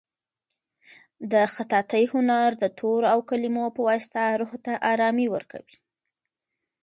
د خطاطۍ هنر د تورو او کلیمو په واسطه روح ته ارامي ورکوي.